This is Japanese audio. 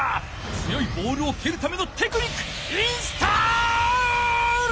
強いボールをけるためのテクニックインストール！